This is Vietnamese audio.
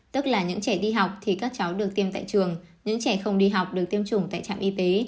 tức là những trẻ đi học thì các cháu được tiêm tại trường những trẻ không đi học được tiêm chủng tại trạm y tế